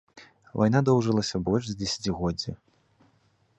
Вайна доўжылася больш за дзесяцігоддзе.